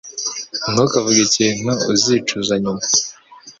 Ntukavuge ikintu uzicuza nyuma.